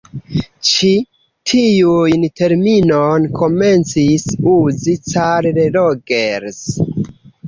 Ĉi tiun terminon komencis uzi Carl Rogers.